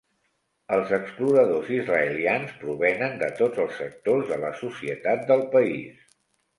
Els exploradors israelians provenen de tots els sectors de la societat del país.